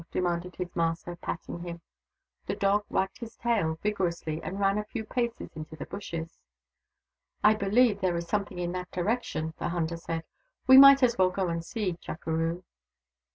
demanded his master, patting him. The dog wagged his tail vigorously and ran a few paces into the bushes. " I believe there is something in that direction," the hunter said. " We might as well go and see, Chukeroo."